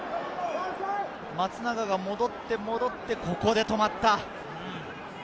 松永が戻って、ここで止まった。